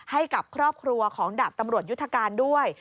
ให้กับครอบครัวของดาบตำรวจยุทธการด้วย